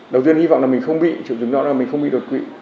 đầu tiên hy vọng là mình không bị triệu chứng đó là mình không bị đột quỵ